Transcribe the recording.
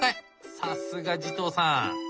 さすが慈瞳さん。